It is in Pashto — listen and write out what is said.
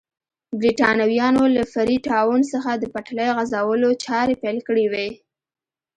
برېټانویانو له فري ټاون څخه د پټلۍ غځولو چارې پیل کړې وې.